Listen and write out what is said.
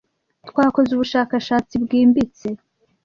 Twakoze ubushakashatsi bwimbitse.